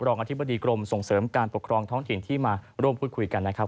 อธิบดีกรมส่งเสริมการปกครองท้องถิ่นที่มาร่วมพูดคุยกันนะครับ